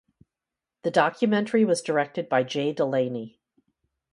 The documentary was directed by Jay Delaney.